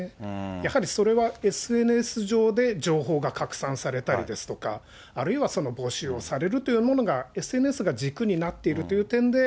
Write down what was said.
やはり、それはＳＮＳ上で情報が拡散されたりですとか、あるいは募集をされるというものが、ＳＮＳが軸になっているという点で、